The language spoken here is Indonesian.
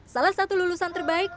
salah satu lulusan terbaik